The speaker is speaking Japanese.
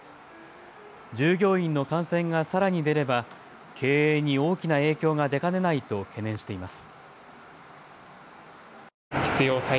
従業員の感染がさらに出れば経営に大きな影響が出かねないと懸念しています。